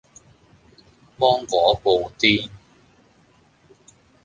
芒果布甸